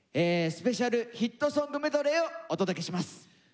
スペシャルヒットソングメドレーをお届けします。